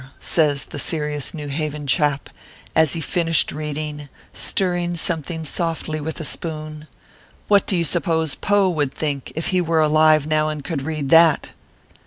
says the serious New Haven chap, as he finished reading, stirring something softly with a spoon, " what do you suppose Poe would think, if he were alive now and could read that